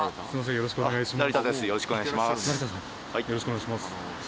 よろしくお願いします。